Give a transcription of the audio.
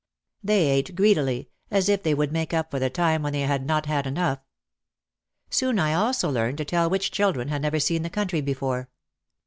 They ate greedily as if they would make up for the time when they had not had enough. Soon I also learned to tell which children had never seen the country before.